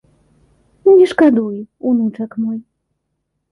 Не шкадуй, унучак мой!